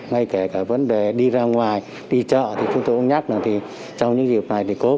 ngay kể cả vấn đề đi ra ngoài đi chợ thì chúng tôi cũng nhắc là trong những dịp này thì cố gắng làm sao